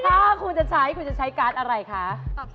ถ้าคุณจะใช้คุณจะใช้การ์ดอะไรคะ